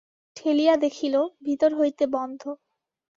ঠেলিয়া দেখিল, ভিতর হইতে বন্ধ।